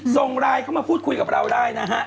ส่งไลน์เข้ามาพูดคุยกับเราได้นะฮะ